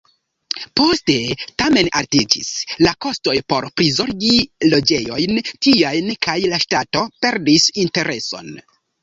Poste, tamen, altiĝis la kostoj por prizorgi loĝejojn tiajn, kaj la ŝtato perdis intereson.